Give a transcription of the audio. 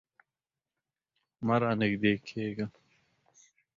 مه رانږدې کیږه